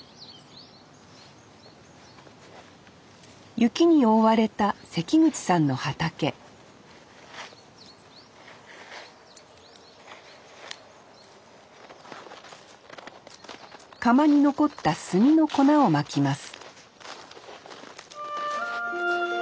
雪に覆われた関口さんの畑窯に残った炭の粉をまきます